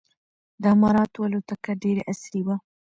د اماراتو الوتکه ډېره عصري وه.